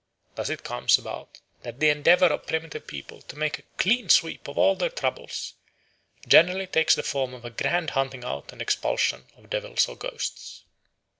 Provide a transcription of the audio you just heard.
Thus it comes about that the endeavour of primitive people to make a clean sweep of all their troubles generally takes the form of a grand hunting out and expulsion of devils or ghosts.